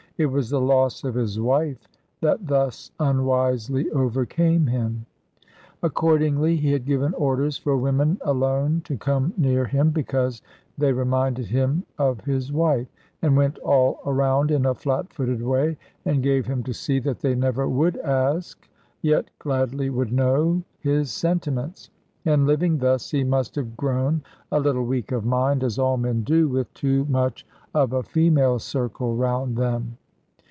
It was the loss of his wife that thus unwisely overcame him. Accordingly he had given orders for women alone to come near him, because they reminded him of his wife, and went all around in a flat footed way, and gave him to see that they never would ask, yet gladly would know, his sentiments. And living thus, he must have grown a little weak of mind, as all men do, with too much of a female circle round them.